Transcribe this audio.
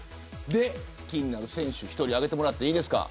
気になる選手１人上げてもらっていいですか。